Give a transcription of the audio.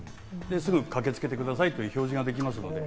すぐ駆けつけてくださいという表示が出ます。